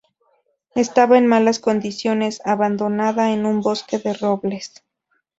Estaba en malas condiciones, abandonada en un bosque de robles.